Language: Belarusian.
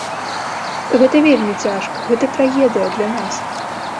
Гэта вельмі цяжка, гэта трагедыя для нас.